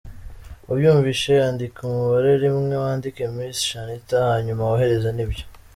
Wabyumvise, andika umubare rimwe wandike Miss Shanitah hanyuma wohereze, ni ibyo.